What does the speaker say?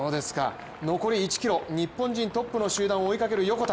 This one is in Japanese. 残り１ｋｍ、日本人トップの集団を追いかける横田。